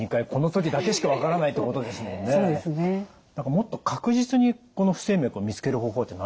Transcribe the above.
もっと確実にこの不整脈を見つける方法ってないんでしょうか？